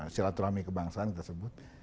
silaturahmi kebangsaan kita sebut